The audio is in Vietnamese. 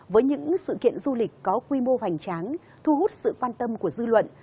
với những sự kiện du lịch có quy mô hoành tráng thu hút sự quan tâm của dư luận